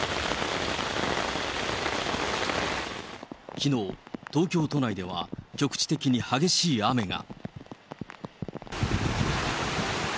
きのう、東京都内では、局地的に激しい雨が。